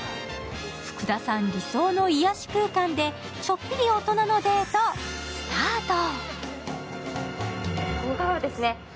福田さん、理想の癒やし空間でちょっぴり大人のデートスタート。